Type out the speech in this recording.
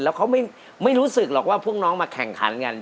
แล้วเขาไม่รู้สึกหรอกว่าพวกน้องมาแข่งขันกัน